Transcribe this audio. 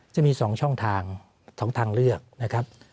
จะมี๒ช่องทาง๒ทางเลือกนะครับ